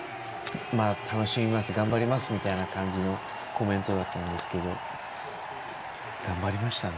楽しみます、頑張ります見たいな感じのコメントだったんですが頑張りましたね。